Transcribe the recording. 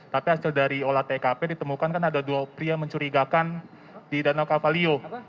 tapi hasil dari olah tkp ditemukan kan ada dua pria mencurigakan di danau kavalio